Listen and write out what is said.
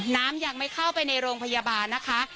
น้ำยังไม่เข้าไปในโรงพยาบาลนะคะ